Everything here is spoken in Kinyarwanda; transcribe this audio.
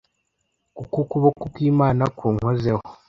Kuko ukuboko kw’Imana kunkozeho